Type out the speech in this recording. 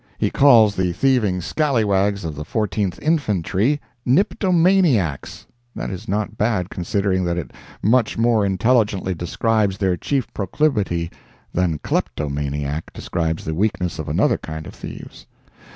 He calls the thieving scalliwags of the Fourteenth Infantry "niptomaniacs." That is not bad considering that it much more intelligently describes their chief proclivity than "kleptomaniac" describes the weakness of another kind of thieves.